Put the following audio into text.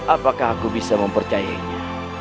apakah aku bisa mempercayainya